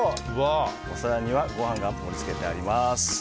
お更にはご飯が盛り付けてあります。